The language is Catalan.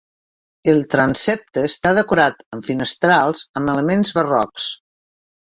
El transsepte està decorat amb finestrals amb elements barrocs.